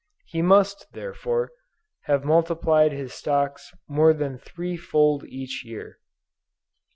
He must, therefore, have multiplied his stocks more than three fold each year."